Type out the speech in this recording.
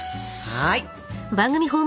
はい。